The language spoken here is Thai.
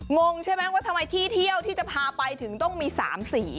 งงใช่ไหมว่าทำไมที่เที่ยวที่จะพาไปถึงต้องมี๓สี